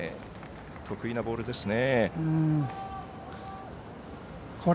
得意なボールですね。